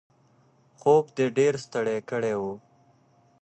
خوب دی ډېر ستړی کړی و.